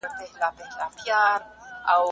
ځوانان وايي کتاب اخيستلو لپاره پيسې نه لري.